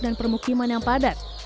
dan pemukiman yang padat